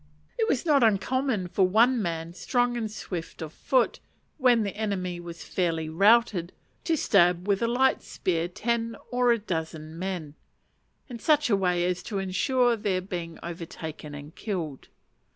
It was not uncommon for one man, strong and swift of foot, when the enemy were fairly routed, to stab with a light spear ten or a dozen men, in such a way as to ensure their being overtaken and killed.